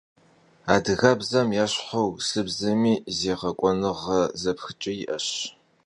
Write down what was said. Адыгэбзэм ещхьу урысыбзэми зегъэкӏуэныгъэ зэпхыкӏэ иӏэщ.